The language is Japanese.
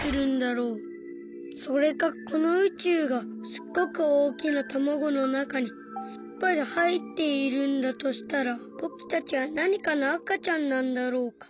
それかこのうちゅうがすっごくおおきなたまごのなかにすっぽりはいっているんだとしたらぼくたちはなにかのあかちゃんなんだろうか。